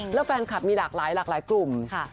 แล้วแฟนคลับมีหลากหลายหลากหลายกลุ่ม